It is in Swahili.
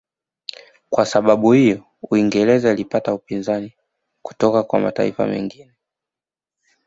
Kwa sababu iyo Uingereza ilipata upinzani kutoka kwa mataifa mengine